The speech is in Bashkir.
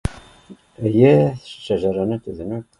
Эйе шәжәрәне төҙөнөк